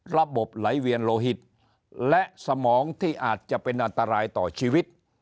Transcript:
ระบบไหลเวียนโลหิตและสมองที่อาจจะเป็นอันตรายต่อชีวิต